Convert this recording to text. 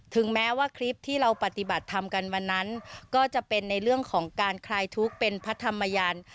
ถึงแม้ว่าคลิปที่เราปฏิบัติทำกันวันนั้นก็จะเป็นในเรื่องของการคลายทุกข์เป็นพระธรรมยาน